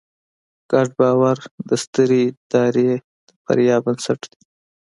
ګډ باور د سترې ادارې د بریا بنسټ دی.